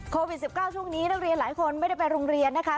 โควิด๑๙ช่วงนี้นักเรียนหลายคนไม่ได้ไปโรงเรียนนะคะ